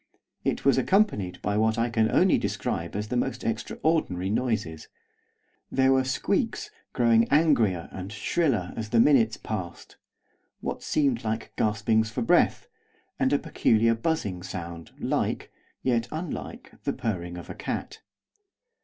It was accompanied by what I can only describe as the most extraordinary noises. There were squeaks, growing angrier and shriller as the minutes passed; what seemed like gaspings for breath; and a peculiar buzzing sound like, yet unlike, the purring of a cat.